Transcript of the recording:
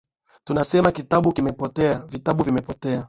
Tunasema, "Kitabu kimepotea - Vitabu vimepotea."